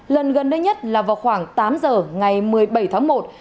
lần gần đây nhất là vào khoảng tám giờ ngày một mươi bảy tháng một